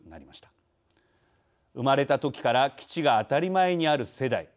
生まれたときから基地が当たり前にある世代。